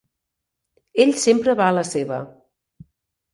Ell sempre va a la seva.